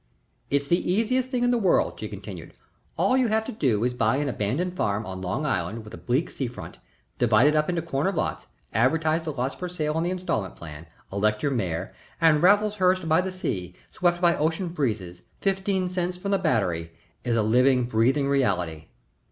"It's the easiest thing in the world," she continued. "All you have to do is to buy an abandoned farm on Long Island with a bleak sea front, divide it up into corner lots, advertise the lots for sale on the instalment plan, elect your mayor, and Raffleshurst by the Sea, swept by ocean breezes, fifteen cents from the Battery, is a living, breathing reality."